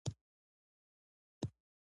ما ترې پوښتنه وکړه ستا په نظر زه باید څه وکړم.